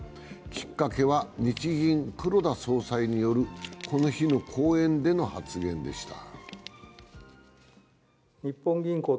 きっかけは、日銀・黒田総裁によるこの日の講演での発言でした。